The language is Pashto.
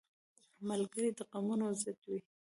ملګری د غمونو ضد وي